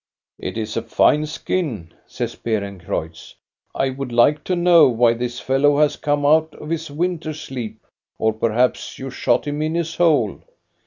" It is a fine skin," says Beerencreutz. " I would like to know why this fellow has come out of his winter sleep, or perhaps you shot him in his hole?